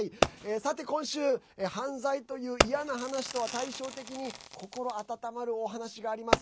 さて、今週犯罪という嫌な話とは対照的に心温まるお話があります。